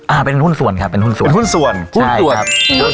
อ่าเป็นหุ้นส่วนครับเป็นหุ้นส่วนเป็นหุ้นส่วนหุ้นส่วนครับ